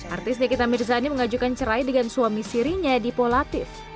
artis nikita mirzani mengajukan cerai dengan suami sirinya di polatif